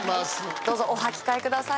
どうぞお履き替えください